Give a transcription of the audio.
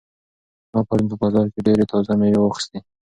ما پرون په بازار کې ډېرې تازه مېوې واخیستې.